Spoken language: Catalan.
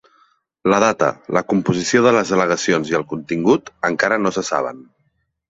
La data, la composició de les delegacions i el contingut encara no se saben.